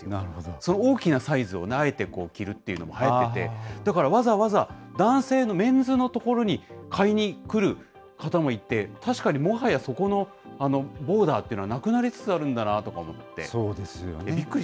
その大きなサイズをあえて着るっていうのもはやってて、だからわざわざ男性のメンズのところに買いに来る方もいて、確かにもはやそこのボーダーっていうのはなくそうですよね。